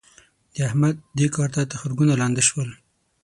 د احمد؛ دې کار ته تخرګونه لانده شول.